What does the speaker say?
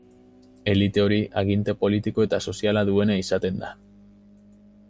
Elite hori aginte politiko eta soziala duena izaten da.